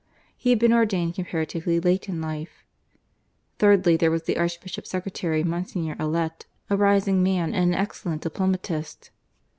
He had been ordained comparatively late in life. Thirdly there was the Archbishop's secretary Monsignor Allet a rising man and an excellent diplomatist.